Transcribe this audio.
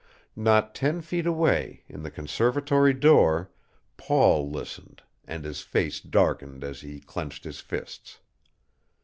Not ten feet away, in the conservatory door, Paul listened, and his face darkened as he clenched his fists.